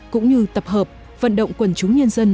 cũng như tập hợp vận động quần chúng nhân dân